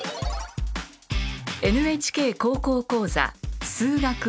「ＮＨＫ高校講座数学Ⅱ」。